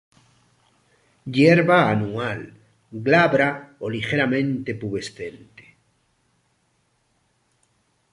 Hierba anual, glabra o ligeramente pubescente.